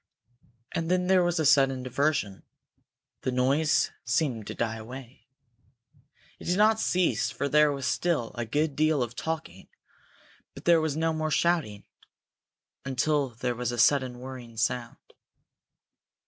And then there was a sudden diversion. The noise seemed to die away. It did not cease for there was still a good deal of talking, but there was no more shouting, until there was a sudden whirring sound.